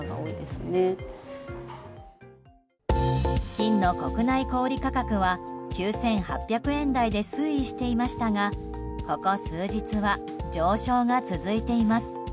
金の国内小売価格は９８００円台で推移していましたがここ数日は上昇が続いています。